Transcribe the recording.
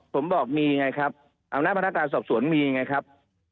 ผมบอกมีไงครับอำนาจพนักการสอบสวนมีไงครับ